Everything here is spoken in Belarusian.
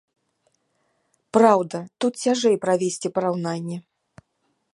Праўда, тут цяжэй правесці параўнанне.